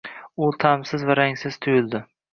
U ta’msiz va rangsiz tuyuldi.